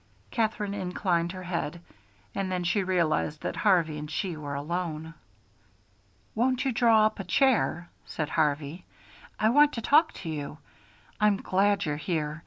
Katherine inclined her head. And then she realized that Harvey and she were alone. "Won't you draw up a chair?" said Harvey. "I want to talk to you. I'm glad you're here.